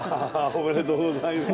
おめでとうございます。